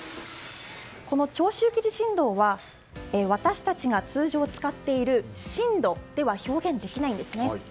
この長周期地震動は私たちが通常、使っている震度では表現できないんです。